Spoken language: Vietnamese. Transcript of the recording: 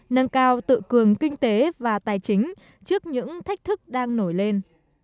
nâng cao tự cường kinh tế và tài chính trước những thách thức đang nổi lên